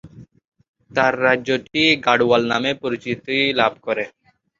তাঁর রাজ্যটি গাড়োয়াল নামে পরিচিতি লাভ করে।